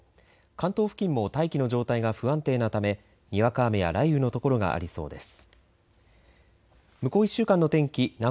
関東付近も大気の状態が不安定なためにわか雨や雷雨の所がありそうです。